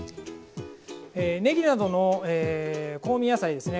ねぎなどの香味野菜ですね。